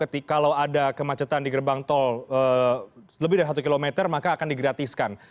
kalau ada kemacetan di gerbang tol lebih dari satu km maka akan digratiskan